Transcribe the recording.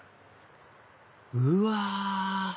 うわ！